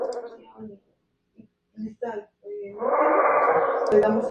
Suelen tener un papel fundamental.